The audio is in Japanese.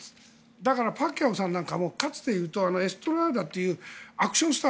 だからパッキャオ氏なんかもかつていうとエストラーダというアクションスター